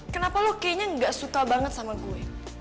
kenapa lo kayaknya gak suka banget sama gue